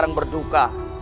tegas bumi pajajaran abad